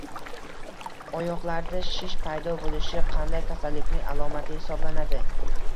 Oyoqlarda shish paydo bo‘lishi qanday kasallikning alomati hisoblanadi?